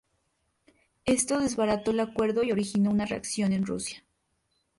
Esto desbarató el acuerdo y originó una reacción en Rusia.